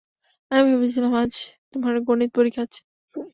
আমি ভেবেছিলাম আজ তোমার গণিত পরীক্ষা আছে।